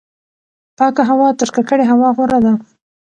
پاکه هوا تر ککړې هوا غوره ده.